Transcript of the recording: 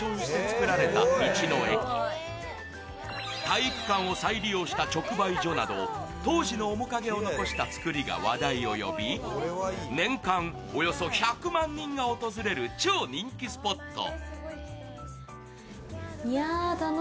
体育館を再利用した直売所など当時の面影を残した造りが話題を呼び、年間およそ１００万人が訪れる超人気スポット。